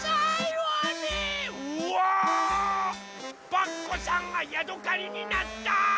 パクこさんがヤドカリになった！